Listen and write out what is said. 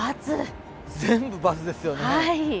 全部×ですよね。